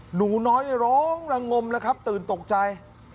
หนูน้อยร้องระงมแล้วครับตื่นตกใจ